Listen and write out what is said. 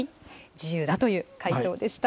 自由だという解答でした。